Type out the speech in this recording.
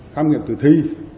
khám nghiệm tử thi